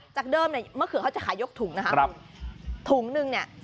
จากเดิมเนี่ยมะเขือเขาจะขายกถุงนะครับถุงนึงเนี่ย